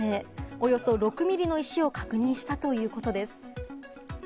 およそ６ミリの石を確認したということです。